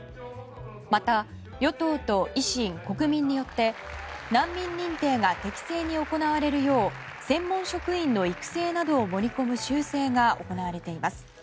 また与党と維新・国民によって難民認定が適正に行われるよう専門職員の育成などを盛り込む修正が行われています。